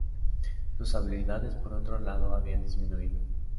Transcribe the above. Sus habilidades, por otro lado, habían disminuido.